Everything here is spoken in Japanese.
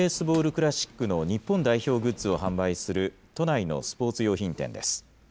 クラシックの日本代表グッズを販売する都内のスポーツ用品店です。